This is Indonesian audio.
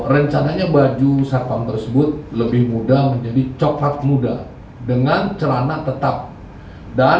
rencananya baju sarpam tersebut lebih mudah menjadi coklat muda dengan celana tetap dan